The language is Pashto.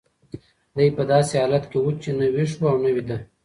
دی په داسې حالت کې و چې نه ویښ و او نه ویده.